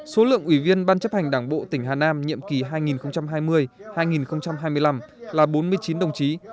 số lượng ủy viên ban chấp hành đảng bộ tỉnh hà nam nhiệm kỳ hai nghìn hai mươi hai nghìn hai mươi năm là bốn mươi chín đồng chí